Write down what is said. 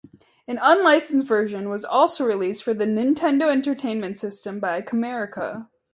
An unlicensed version was also released for the Nintendo Entertainment System by Camerica.